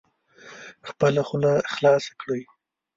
خپله خوله خلاصه کړئ